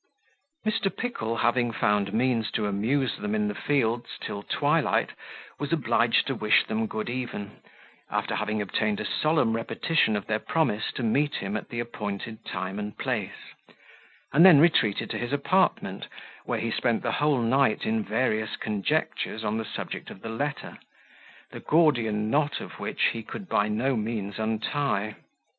Mr. Pickle, having found means to amuse them in the fields till the twilight, was obliged to wish them good even, after having obtained a solemn repetition of their promise to meet him at the appointed time and place, and then retreated to his apartment, where he spent the whole night in various conjectures on the subject of the letter, the Gordian knot of which he could by no means untie.